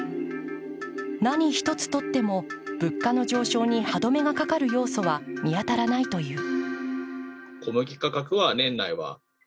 何一つとっても、物価の上昇に歯止めがかかる要素は見当たらないという。